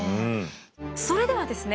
それではですね